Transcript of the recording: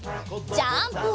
ジャンプ！